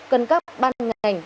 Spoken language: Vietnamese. cần cấp ban ngành